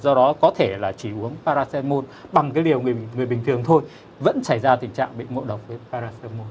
do đó có thể là chỉ uống paracetamol bằng cái liều người bình thường thôi vẫn xảy ra tình trạng bị ngộ độc với paracetamol